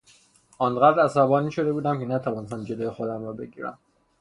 آنقدر عصبانی شده بودم که نتوانستم جلو خودم را بگیرم.